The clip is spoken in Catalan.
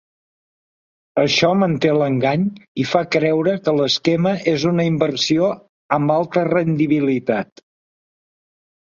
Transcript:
Això manté l'engany i fa creure que l'esquema és una inversió amb alta rendibilitat.